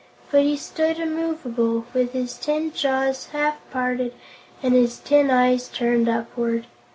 But he stood immovable, with his tin jaws half parted and his tin eyes turned upward.